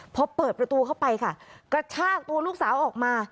พอเปิดประตูเข้าไปค่ะกระชากตัวลูกสาวออกมา